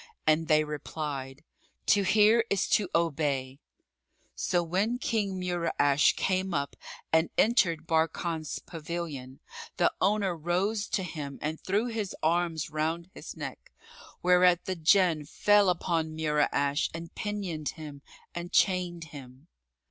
And they replied, "To hear is to obey." So, when King Mura'ash came up and entered Barkan's pavilion, the owner rose to him and threw his arms round his neck; whereat the Jann fell upon Mura'ash and pinioned him and chained him.